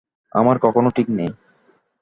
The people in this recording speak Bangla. আমরা কখনও ঠিক নেই!